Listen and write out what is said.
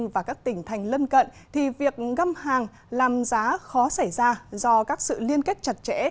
và các tỉnh thành lân cận thì việc găm hàng làm giá khó xảy ra do các sự liên kết chặt chẽ